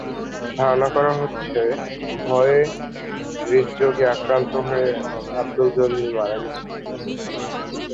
ধারণা করা হচ্ছে, ভয়ে হৃদ্রোগে আক্রান্ত হয়ে আবদুল জলিল মারা গেছেন।